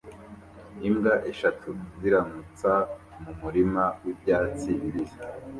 Imbwa eshatu ziramutsa mu murima wibyatsi bibisi